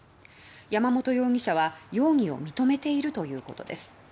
山本容疑者は容疑を認めているということです。